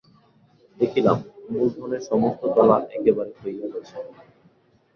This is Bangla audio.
দেখিলাম, মূলধনের সমস্ত তলা একেবারে ক্ষইয়া গেছে।